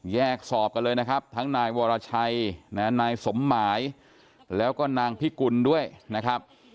แยกสอบกันเลยนะครับทั้งนายวรชัยนายสมหมายแล้วก็นางพิกุลด้วยนะครับ